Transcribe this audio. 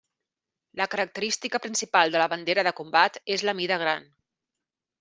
La característica principal de la bandera de combat és la mida gran.